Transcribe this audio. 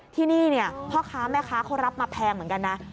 ที่นี่พ่อค้าแม่ค้าเขารับมาแพงเหมือนกันนะ